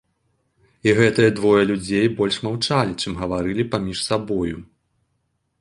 І гэтыя двое людзей больш маўчалі, чым гаварылі паміж сабою.